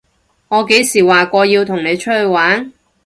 我幾時話過要同你出去玩？